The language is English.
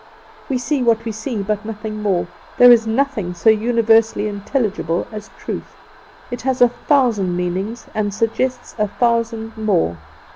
We see what we see, but nothing more. There is nothing so universally intelligible as truth. It has a thousand meanings, and suggests a thousand more."